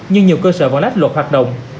nhưng nhiều cơ sở và lách luật hoạt động